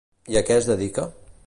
I a què es dedica?